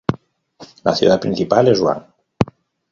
La ciudad principal es Ruán.